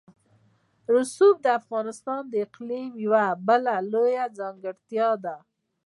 رسوب د افغانستان د اقلیم یوه بله لویه ځانګړتیا ده.